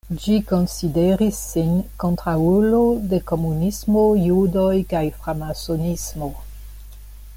Ĝi konsideris sin kontraŭulo de komunismo, judoj kaj framasonismo.